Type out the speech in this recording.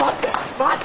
待って！